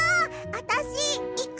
あたしいく！